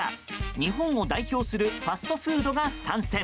日本を代表するファストフードが参戦。